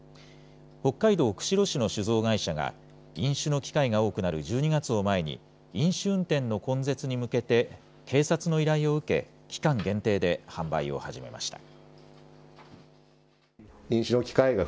北海道釧路市の酒造会社が、飲酒の機会が多くなる１２月を前に、飲酒運転の根絶に向けて、警察の依頼を受け、期間限定で販売を始めました。